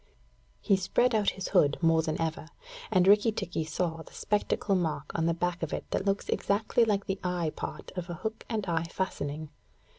He spread out his hood more than ever, and Rikki tikki saw the spectacle mark on the back of it that looks exactly like the eye part of a hook and eye fastening.